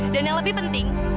dan yang lebih penting